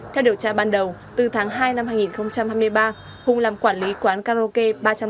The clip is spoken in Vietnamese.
theo điều tra ban đầu từ tháng hai năm hai nghìn hai mươi ba hùng làm quản lý quán karaoke ba trăm một mươi